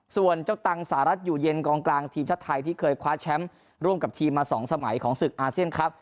ส่วนเจ้าตังสหรัฐอยู่เย็นกองกลางทีมชาติไทยที่เคยคว้าแชมป์ร่วมกับทีมมา๒สมัยของศึกอาเซียนครับ